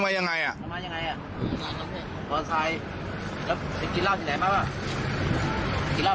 ทั้งม่วงกันแหละพี่